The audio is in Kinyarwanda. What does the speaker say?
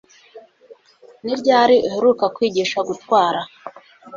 Ni ryari uheruka kwigisha gutwara